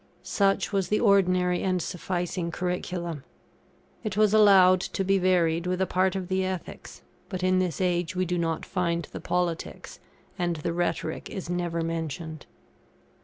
Such was the ordinary and sufficing curriculum. It was allowed to be varied with a part of the Ethics; but in this age we do not find the Politics; and the Rhetoric is never mentioned.